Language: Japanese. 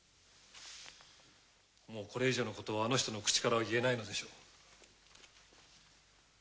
もうこれ以上のことはあの人の口からは言えないのでしょう。